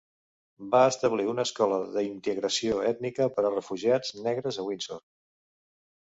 Va establir una escola d'integració ètnica per a refugiats negres a Windsor.